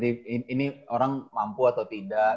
ini orang mampu atau tidak